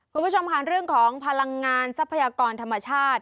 คุณผู้ชมค่ะเรื่องของพลังงานทรัพยากรธรรมชาติ